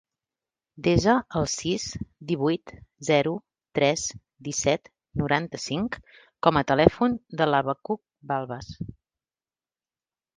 Desa el sis, divuit, zero, tres, disset, noranta-cinc com a telèfon de l'Habacuc Balbas.